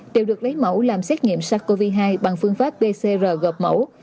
đều được lấy mẫu làm xét nghiệm sars cov hai bằng phương pháp pcr gọp mẫu